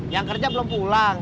yang kerja belum pulang